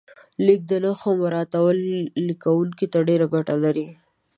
د لیک نښو مراعاتول لیکونکي ته ډېره ګټه لري.